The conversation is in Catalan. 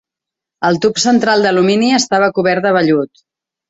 El tub central d'alumini estava cobert de vellut.